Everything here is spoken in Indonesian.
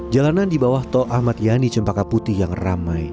jalanan di bawah tol ahmad yani cempaka putih yang ramai